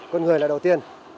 con người là đầu tiên